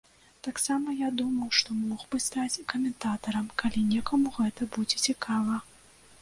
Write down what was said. Таксама я думаў, што мог бы стаць каментатарам, калі некаму гэта будзе цікава.